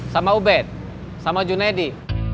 sama ubed sama junedi